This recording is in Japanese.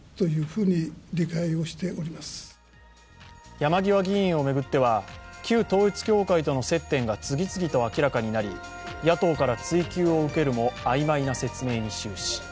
山際議員を巡っては旧統一教会との接点が次々と明らかになり野党から追及を受けるも、曖昧な説明に終始。